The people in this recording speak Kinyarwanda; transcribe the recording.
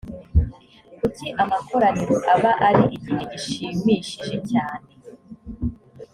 kuki amakoraniro aba ari igihe gishimishije cyane ?